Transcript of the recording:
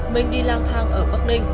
mình đi lang thang ở bắc hồ